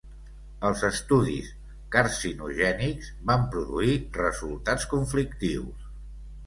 Els estudis carcinogènics van produir resultats conflictius.